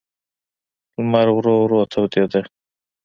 لمر ورو ورو تودېده.